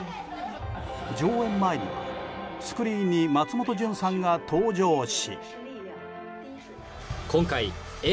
上演前にスクリーンに松本潤さんが登場し。